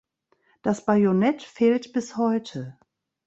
Das Bajonett fehlt bis heute.